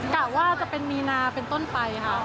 กอยากว่าจะไปมีนาเป็นต้นไฟครับ